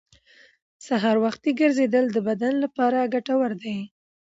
سهار وختي ګرځېدل د بدن لپاره ګټور دي